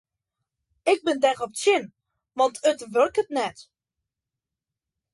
Ik bin derop tsjin want it wurket net.